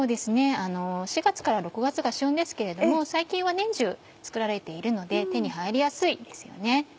４月から６月が旬ですけれども最近は年中作られているので手に入りやすいですよね。